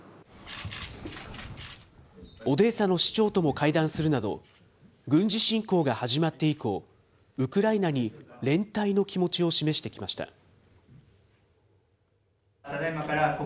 オデーサの市長とも会談するなど、軍事侵攻が始まって以降、ウクライナに連帯の気持ちを示してきました。